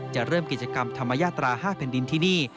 จะเริ่มกิจกรรมธรรมญาตรา๕แผ่นดินที่นี่